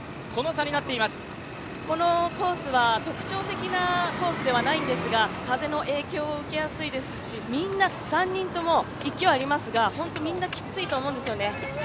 このコースは特徴的なコースではないのですが、風の影響を受けやすいですし３人とも勢いがありますが本当にみんなきついと思うんですよね。